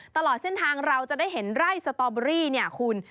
ตลอดเส้นทางเราจะได้เห็นไร่สตอเบอรี่เนี่ยคุณ